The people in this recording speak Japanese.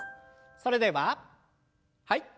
それでははい。